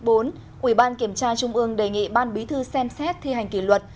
ủy ban kiểm tra trung ương đề nghị ban bí thư xem xét thi hành kỷ luật